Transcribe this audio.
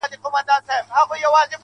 او د دنيا له لاسه.